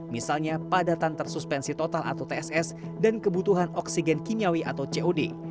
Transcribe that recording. misalnya padatan tersuspensi total atau tss dan kebutuhan oksigen kimiawi atau cod